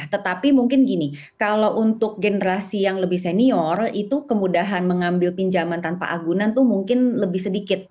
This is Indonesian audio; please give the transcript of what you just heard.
tetapi mungkin gini kalau untuk generasi yang lebih senior itu kemudahan mengambil pinjaman tanpa agunan tuh mungkin lebih sedikit